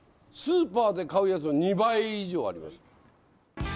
スーパーで買うやつの２倍以上あります。